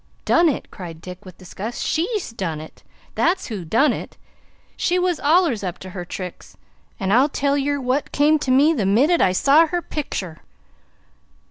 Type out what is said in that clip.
"Done it!" cried Dick, with disgust. "SHE done it, that's who done it. She was allers up to her tricks; an' I'll tell yer wot come to me, the minnit I saw her pictur.